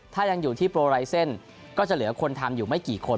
ถ้ายังอยู่ที่โปรไลเซ็นต์ก็จะเหลือคนทำอยู่ไม่กี่คน